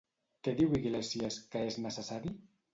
Què diu Iglesias que és necessari?